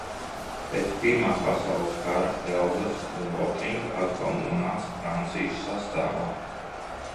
Pēc Pirmā pasaules kara Elzasa un Lotringa atkal nonāca Francijas sastāvā.